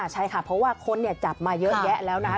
ใช่ค่ะเพราะว่าคนจับมาเยอะแยะแล้วนะคะ